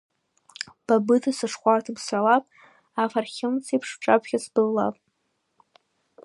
Ба быда сышхәарҭам сҳәалап, афархьымцеиԥш бҿаԥхьа сбыллап!